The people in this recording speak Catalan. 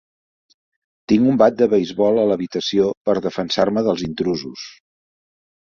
Tinc un bat de beisbol a l'habitació per defensar-me dels intrusos.